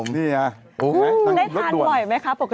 ได้ทานอร่อยไหมครับปกติ